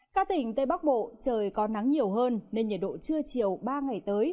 các tỉnh tây bắc bộ trời có nắng nhiều hơn nên nhiệt độ trưa chiều ba ngày tới